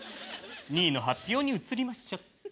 ２位の発表に移りましょ。